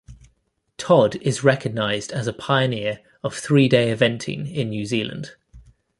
Todd is recognized as a pioneer of three-day eventing in New Zealand.